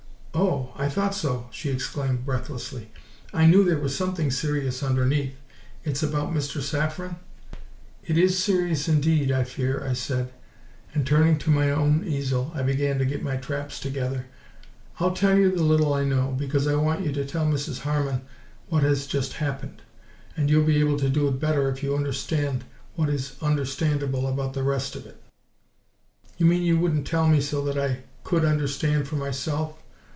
"Oh! I thought so!" she exclaimed breathlessly. "I knew there was something serious underneath. It's about Mr. Saffren?" "It is serious indeed, I fear," I said, and turning to my own easel, began to get my traps together. "I'll tell you the little I know, because I want you to tell Mrs. Harman what has just happened, and you'll be able to do it better if you understand what is understandable about the rest of it." "You mean you wouldn't tell me so that I could understand for myself?"